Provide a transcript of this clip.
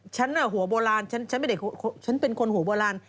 ฉันหัวโบราณฉันเป็นคนหัวโบราณ